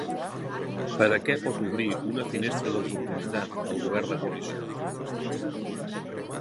Per a què pot obrir una finestra d'oportunitat el govern de coalició?